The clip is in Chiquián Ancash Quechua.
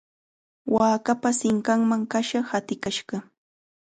Waakapa sinqanman kasha hatikashqa.